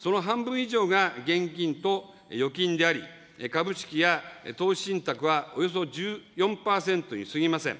資産は２０００兆円を超えていますが、その半分以上が現金と預金であり、株式や投資信託はおよそ１４％にすぎません。